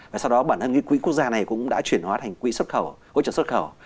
và sau đó bản thân cái quỹ quốc gia này cũng đã chuyển hóa thành quỹ xuất khẩu hỗ trợ xuất khẩu